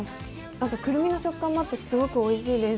あとくるみの食感もあって、すごくおいしいです。